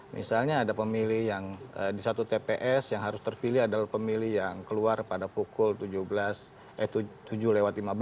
misalnya ada pemilih yang di satu tps yang harus terpilih adalah pemilih yang keluar pada pukul tujuh lewat lima belas